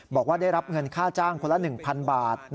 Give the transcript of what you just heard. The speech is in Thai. บอกว่าได้รับเงินค่าจ้างคนละ๑๐๐๐บาท